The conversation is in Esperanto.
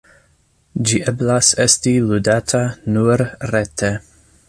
Ĝi eblas esti ludata nur rete.